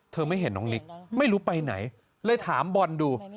ไม่เห็นน้องนิกไม่รู้ไปไหนเลยถามบอลดู